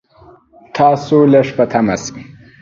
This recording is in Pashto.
تاسو لږ په طمعه شئ.